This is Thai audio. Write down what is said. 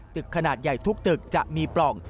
ตึกขนาดใหญ่ทุกตึกจะมีปล่อง